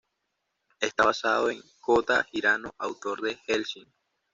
Está basado en Kōta Hirano, autor de Hellsing.